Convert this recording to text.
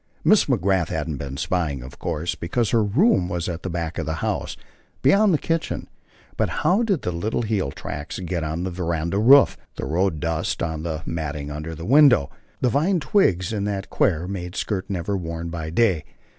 Miss McGrath hadn't been spying, of course, because her room was at the back of the house, beyond the kitchen, but how did the little heel tracks get on the veranda roof? the road dust on the matting under the window? the vine twigs in that "quare" made skirt never worn by day?